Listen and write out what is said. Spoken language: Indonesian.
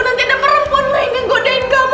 nanti ada perempuan lain yang godein kamu